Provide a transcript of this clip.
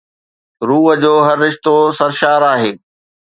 روح جو هر رشتو سرشار آهي